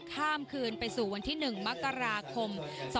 ข้ามคืนไปสู่วันที่๑มกราคม๒๕๖